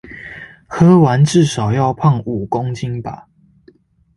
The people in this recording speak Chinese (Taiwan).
喝完至少要胖五公斤吧